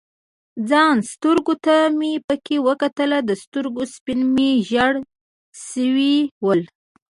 ځان سترګو ته مې پکې وکتل، د سترګو سپین مې ژړ شوي ول.